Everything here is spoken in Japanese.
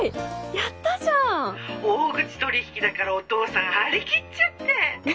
やったじゃん。大口取引だからお父さん張り切っちゃって。